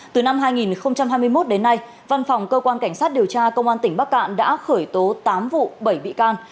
từ năm hai nghìn hai mươi một đến nay văn phòng cơ quan cảnh sát điều tra công an tỉnh bắc cạn đã khởi tố tám vụ bảy bị can